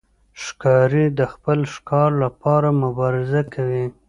ښکاري د خپل ښکار لپاره مبارزه کوي.